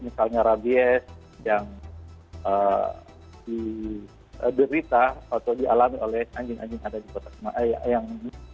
misalnya rabies yang diderita atau dialami oleh anjing anjing yang ada di kota yang ini